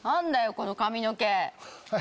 この髪の毛。